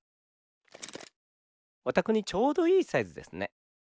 おたくにちょうどいいサイズですね。